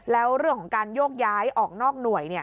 แล้วเรื่องของการโยกย้ายออกนอกหน่วย